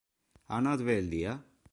Ha anat bé el dia?